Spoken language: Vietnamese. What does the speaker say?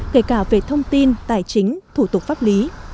kể cả về thông tin tài chính thủ tục pháp lý